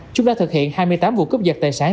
chúng đã thực hiện hai mươi tám vụ cướp giật tài sản